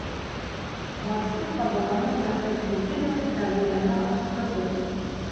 Барсын ҡабаланып яҫтыҡ бирҙе лә Сәғиҙәне ашыҡтырҙы: